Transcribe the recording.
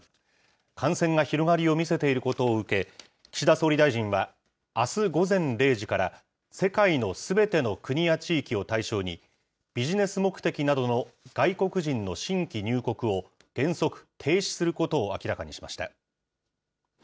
感染が広がりを見せていることを受け、岸田総理大臣は、あす午前０時から、世界のすべての国や地域を対象に、ビジネス目的などの外国人の新規入国を、原則停止することを明らかにしました。